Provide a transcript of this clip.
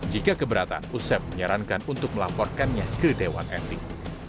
jika keberatan usep menyarankan untuk melaporkannya ke dewan etik